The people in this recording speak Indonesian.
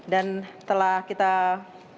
dan telah kita beri jawabannya